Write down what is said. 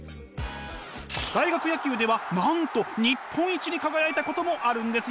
大学野球ではなんと日本一に輝いたこともあるんですよ！